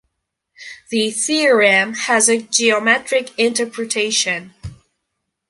The theorem has a geometric interpretation.